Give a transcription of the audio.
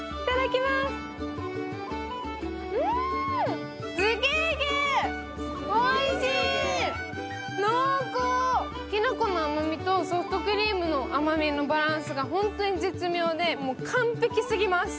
きなこの甘みとソフトクリームの甘みのバランスが本当に絶妙で、完璧すぎます。